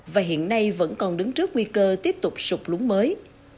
và hiện nay vẫn còn đứng trước nguy cơ tiếp tục sụp lún mới